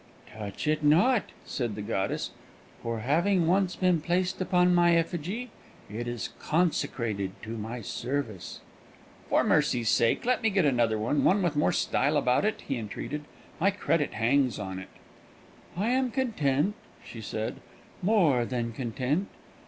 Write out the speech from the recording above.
"Touch it not," said the goddess; "for, having once been placed upon my effigy, it is consecrated to my service." "For mercy's sake, let me get another one one with more style about it," he entreated; "my credit hangs on it!" "I am content," she said, "more than content.